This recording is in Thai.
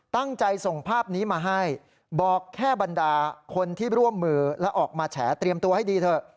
ตั้งใจส่งภาพนี้มาให้บอกแค่บรรดาคนที่ร่วมมือและออกมาแฉเตรียมตัวให้ดีเถอะ